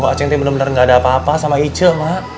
acing bener bener gak ada apa apa sama iceng mak